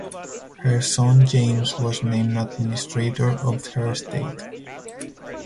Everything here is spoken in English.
Her son James was named administrator of her estate.